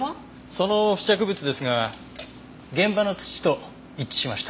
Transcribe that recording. その付着物ですが現場の土と一致しました。